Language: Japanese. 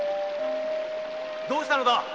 どうしたのだ？